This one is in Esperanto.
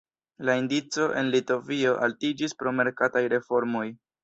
La indico en Litovio altiĝis pro merkataj reformoj.